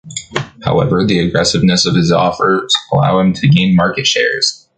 However, the aggressiveness of his offers allowed him to gain market shares.